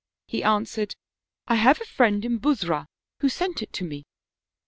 He answered ;* I have a friend in Busra who sent it to me.'